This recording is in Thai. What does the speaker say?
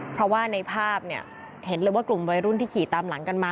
เพราะว่าในภาพเนี่ยเห็นเลยว่ากลุ่มวัยรุ่นที่ขี่ตามหลังกันมา